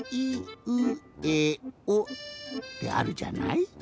ってあるじゃない？